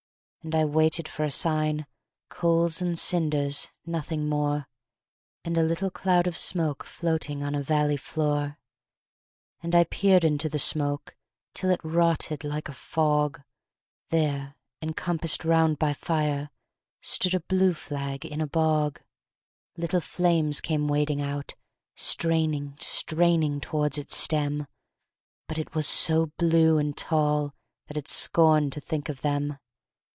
And I waited for a sign; Coals and cinders, nothing more; And a little cloud of smoke Floating on a valley floor. And I peered into the smoke Till it rotted, like a fog: There, encompassed round by fire, Stood a blue flag in a bog! Little flames came wading out, Straining, straining towards its stem, But it was so blue and tall That it scorned to think of them!